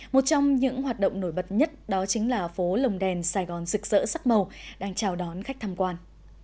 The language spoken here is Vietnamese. một trong những hoạt động nổi bật nhất đó chính là phố lồng đèn sài gòn rực rỡ sắc màu đang chào đón khách tham quan